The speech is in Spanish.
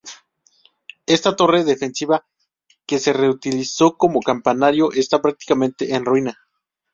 Esta torre defensiva que se reutilizó como campanario está prácticamente en ruina.